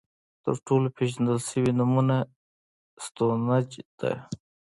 تر ټولو پېژندل شوې نمونه ستونهنج ده.